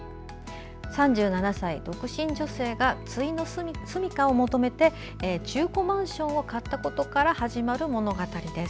３７歳独身女性がついの住みかを求めて中古マンションを買ったことから始まる物語です。